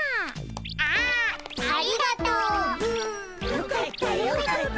よかったよかった。